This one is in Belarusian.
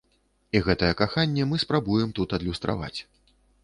І гэтае каханне мы спрабуем тут адлюстраваць.